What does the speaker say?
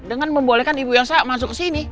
dengan membolehkan ibu elsa masuk ke sini